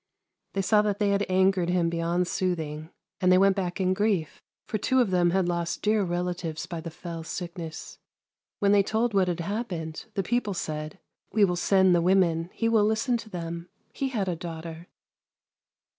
They saw that they had angered him beyond soothing, and they went back in grief, for two of them had lost dear relatives by the fell sickness. When they told what had hap pened, the people said :" We will send the women ; he will listen to them — he had a daughter."